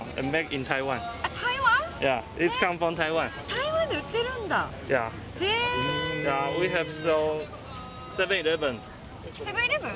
台湾で売ってるんだ？セブンーイレブン？